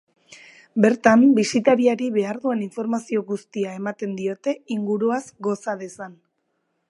Bertan, bisitariari behar duen informazio guztia ematen diote inguruaz goza dezan.